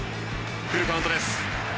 フルカウントです。